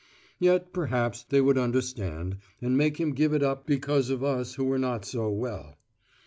Yet perhaps they would understand, and make him give it up because of us who were not so well.